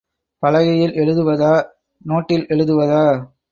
பலகையில் எழுதுவதா நோட்டில் எழுதுவதா?